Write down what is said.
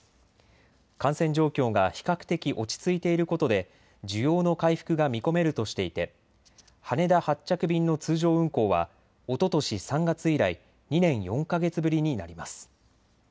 感染状況が比較的落ち着いていることで需要の回復が見込めるとしていて羽田発着便の通常運航はおととし３月以来２年４か月ぶりになります。